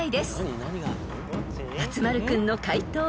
［松丸君の解答は？］